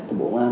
thì bộ công an